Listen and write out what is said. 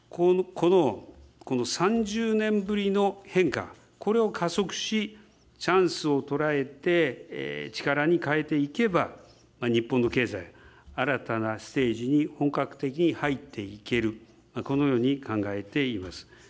この３０年ぶりの変化、これを加速し、チャンスを捉えて、力に変えていけば、日本の経済、新たなステージに本格的に入っていける、このように考えています。